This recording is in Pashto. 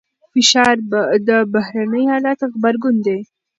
فشار د بهرني حالت غبرګون دی.